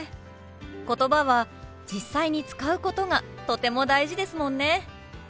ことばは実際に使うことがとても大事ですもんね。